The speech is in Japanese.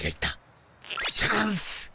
チャンス！